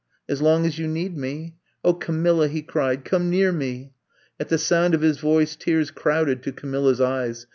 As long as you need me." *'0h, Camilla!" he cried. Come near me!" At the sound of his voice, tears crowded to Camilla's eyes.